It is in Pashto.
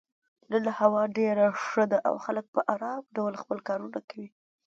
نن هوا ډېره ښه ده او خلک په ارام ډول خپل کارونه کوي.